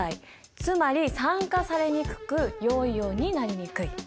つまり酸化されにくく陽イオンになりにくい。